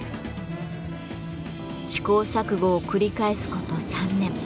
試行錯誤を繰り返すこと３年。